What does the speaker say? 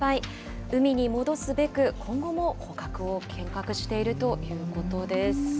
海に戻すべく、今後も捕獲を計画しているということです。